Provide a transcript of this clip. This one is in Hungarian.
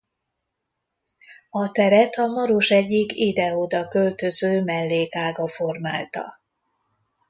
A teret a Maros egyik ide-oda költöző mellékága formálta.